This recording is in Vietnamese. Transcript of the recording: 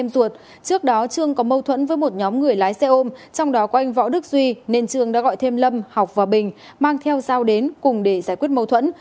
mâu thuẫn với một nhóm người lái xe ôm trong đó có anh võ đức duy nên trương đã gọi thêm lâm học và bình mang theo dao đến cùng để giải quyết mâu thuẫn